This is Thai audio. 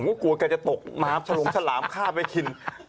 ก็กลัวแกจะตกน้ำฉลงฉลามฆ่าไปกิน